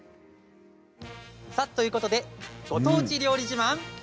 さあ、ということでご当地、料理自慢！